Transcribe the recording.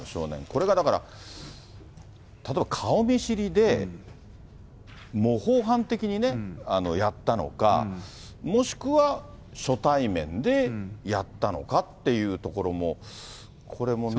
これがだから、例えば、顔見知りで、模倣犯的にやったのか、もしくは初対面でやったのかっていうところも、これもね。